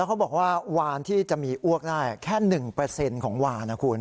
เขาบอกว่าวานที่จะมีอ้วกได้แค่๑ของวานนะคุณ